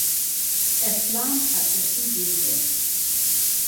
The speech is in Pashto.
اسلام حقيقي دين دی